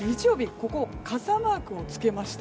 ここ、傘マークをつけました。